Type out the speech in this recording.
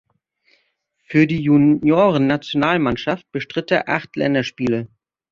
Für die Junioren-Nationalmannschaft bestritt er acht Länderspiele.